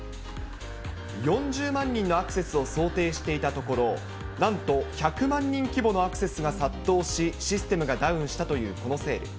４０万人のアクセスを想定していたところ、なんと１００万人規模のアクセスが殺到し、システムがダウンしたというこのセール。